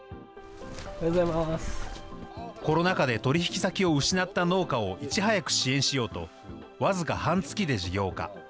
コロナ禍で取り引き先を失った農家をいち早く支援しようと、僅か半月で事業化。